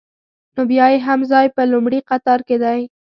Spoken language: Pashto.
نو بیا یې هم ځای په لومړي قطار کې دی.